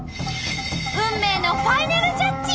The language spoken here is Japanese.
運命のファイナルジャッジ！